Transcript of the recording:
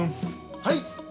はい！